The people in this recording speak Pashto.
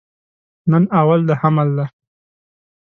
نن اول د حمل ده